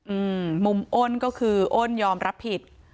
อืมมุมอ้นก็คืออ้นยอมรับผิด